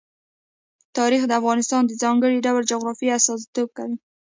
تاریخ د افغانستان د ځانګړي ډول جغرافیه استازیتوب کوي.